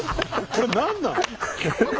これ何なの？